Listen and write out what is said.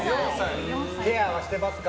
ケアはしてますか？